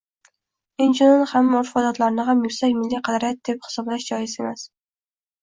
Inchinun, hamma urf-odatlarni ham yuksak milliy qadriyat deb hisoblash joiz emas